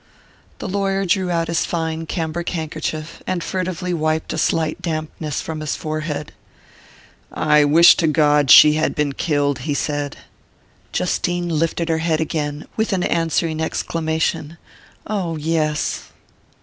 The lawyer drew out his fine cambric handkerchief, and furtively wiped a slight dampness from his forehead. "I wish to God she had been killed!" he said. Justine lifted her head again, with an answering exclamation. "Oh, yes!"